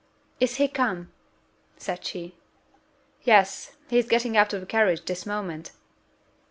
"Is he come?" said she. "Yes, he is getting out of the carriage this moment!"